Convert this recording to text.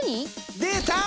出た！